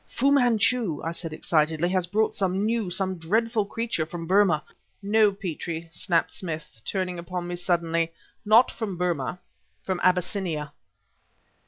"Fu Manchu," I said excitedly, "has brought some new, some dreadful creature, from Burma..." "No, Petrie," snapped Smith, turning upon me suddenly. "Not from Burma from Abyssinia."